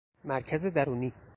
مرکز درونی